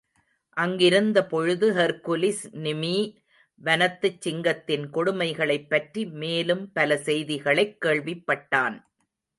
அங்கிருந்த பொழுது ஹெர்க்குலிஸ் நிமீ வனத்துச் சிங்கத்தின் கொடுமைகளைப் பற்றி மேலும் பல செய்திகளைக் கேள்விப்பட்டான்.